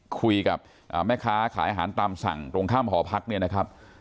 คุยกับแม่ค้าขายอาหารตามสั่งตรงข้ามหอพักเนี่ยนะครับ